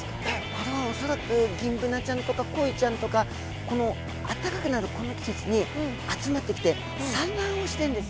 これは恐らくギンブナちゃんとかコイちゃんとかあったかくなるこの季節に集まってきて産卵。